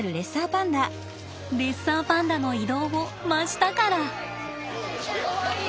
レッサーパンダの移動を真下から！